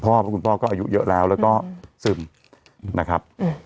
เพราะคุณพ่อก็อายุเยอะแล้วแล้วก็ซึมนะครับ